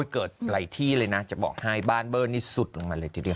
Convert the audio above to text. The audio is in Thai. เกิดหลายที่เลยนะจะบอกให้บ้านเบอร์นี่สุดลงมาเลยทีเดียว